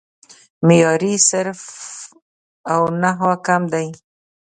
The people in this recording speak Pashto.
معیاري صرف او نحو کم دی